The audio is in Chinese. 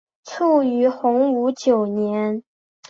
卒于洪武九年。